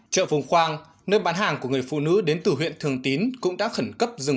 chợ phùng khoang nơi bán hàng của người phụ nữ đến từ huyện thường tín cũng đã khẩn cấp rừng